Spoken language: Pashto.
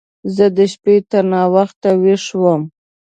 زه د شپې تر ناوخته ويښ وم.